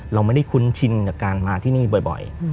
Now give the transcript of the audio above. เราไม่ได้คุ้นชินกับการมาที่นี่บ่อย